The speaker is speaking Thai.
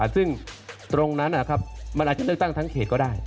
ซึ่งตรงนั้นมันอาจจะเลือกตั้งทั้งเขตก็ได้